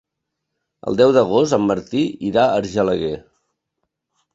El deu d'agost en Martí irà a Argelaguer.